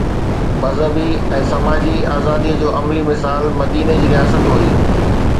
مذهبي ۽ سماجي آزادي جو عملي مثال مديني جي رياست هئي